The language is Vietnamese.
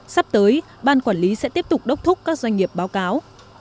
sắp tới ban quản lý sẽ tiếp tục đốc thúc các doanh nghiệp báo cáo